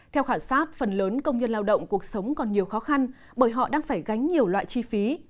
theo khảo sát phần lớn công nhân lao động cuộc sống còn nhiều khó khăn bởi họ đang phải gánh nhiều loại chi phí